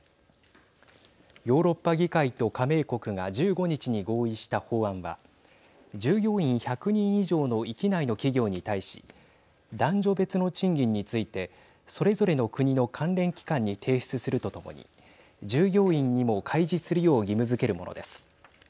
ヨーロッパ議会と加盟国が１５日に合意した法案は従業員１００人以上の域内の企業に対し男女別の賃金についてそれぞれの国の関連機関に提出するとともに従業員にも開示するよう義務づけるものです。